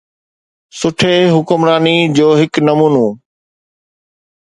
سٺي حڪمراني جو هڪ نمونو.